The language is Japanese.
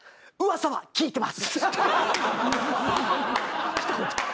「噂聞いてます」